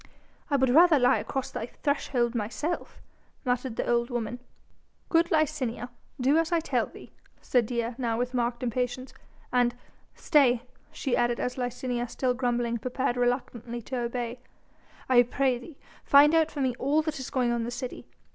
"I would rather lie across thy threshold myself," muttered the old woman. "Good Licinia, do as I tell thee," said Dea, now with marked impatience. "And stay " she added as Licinia still grumbling prepared reluctantly to obey "I pray thee find out for me all that is going on in the city.